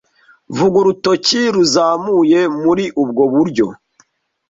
Vuga urutoki ruzamuye muri ubwo buryo